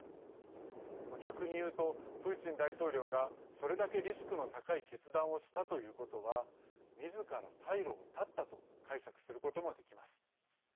逆に言うとプーチン大統領がそれだけリスクの高い決断をしたということはみずから退路を断ったと解釈することもできます。